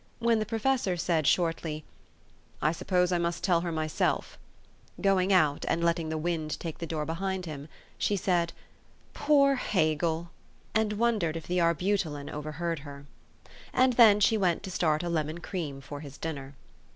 When the professor said shortly, "I suppose I must tell her myself," going out, and letting the wind take the door behind him, she said, " Poor Hegel !" and wondered if the arbute lon overheard her. And then she went to start a lemon cream for his dinner.